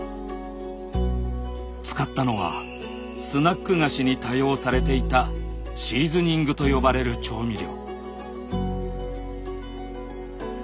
使ったのはスナック菓子に多用されていたシーズニングと呼ばれる調味料。